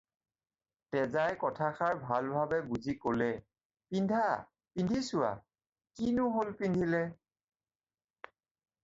তেজাই কথাষাৰ ভালভাৱে বুজি ক'লে- "পিন্ধা, পিন্ধি চোৱা, কিনো হ'ল পিন্ধিলে!"